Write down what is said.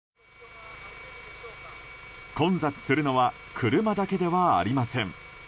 混雑するのは車だけではありません。